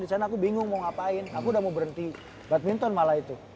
di sana aku bingung mau ngapain aku udah mau berhenti badminton malah itu